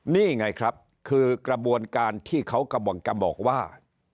นี่ไงครับคือกระบวนการที่เขากำลังจะบอกว่า